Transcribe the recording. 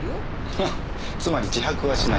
ハッつまり自白はしない。